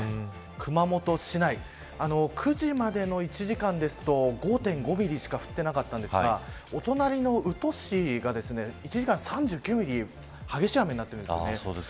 熊本市内９時までの１時間ですと５．５ミリしか降っていなかったんですがお隣の宇土市が１時間３９ミリ激しい雨になっているんですね。